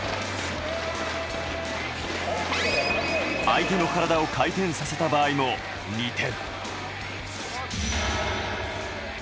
相手の体を回転させた場合も２点。